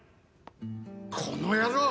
「この野郎！」